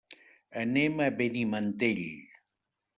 Anem a Benimantell.